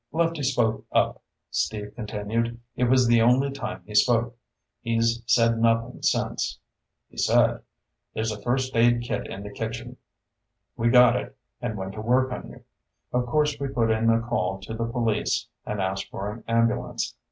"Lefty spoke up," Steve continued. "It was the only time he spoke. He's said nothing since. He said, 'There's a first aid kit in the kitchen.' We got it, and went to work on you. Of course we put in a call to the police, and asked for an ambulance.